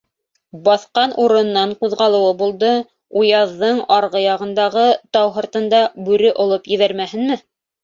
Баҫҡан урынынан ҡуҙғалыуы булды, уяҙҙың арғы яғындағы тау һыртында бүре олоп ебәрмәһенме?!